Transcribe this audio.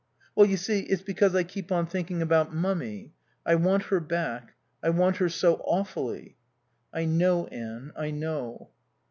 "Well, you see, it's because I keep on thinking about Mummy. I want her back I want her so awfully." "I know, Anne, I know."